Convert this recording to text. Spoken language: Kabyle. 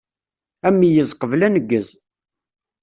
Ameyyez qbel aneggez.